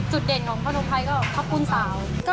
จุดเด่นของพนมไฟก็ข้าวปุ้นสาว